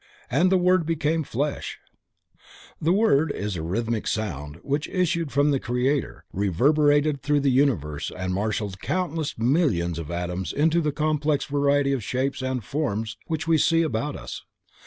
and the word became flesh;" the word is a rhythmic sound, which issued from the Creator, reverberated through the universe and marshaled countless millions of atoms into the multiplex variety of shapes and forms which we see about us.